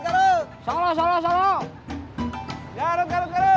garut garut garut